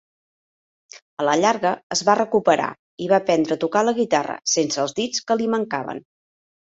A la llarga es va recuperar i va aprendre a tocar la guitarra sense els dits que li mancaven.